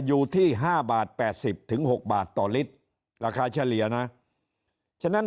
อยู่ที่๕บาท๘๐๖บาทต่อลิตรราคาเฉลี่ยนะฉะนั้น